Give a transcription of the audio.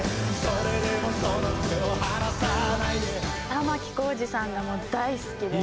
玉置浩二さんがもう大好きで。